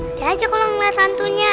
nanti aja kalau ngeliat hantunya